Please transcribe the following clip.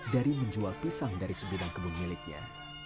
dari menjual pisang dari sebidang kebun miliknya